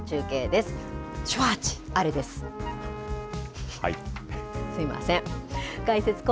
すみません。